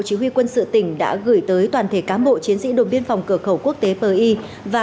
chỉ huy quân sự tỉnh đã gửi tới toàn thể cán bộ chiến sĩ đồn biên phòng cửa khẩu quốc tế pờ y và